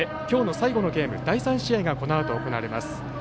今日の最後のゲーム第３試合がこのあと行われます。